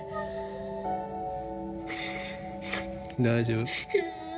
大丈夫。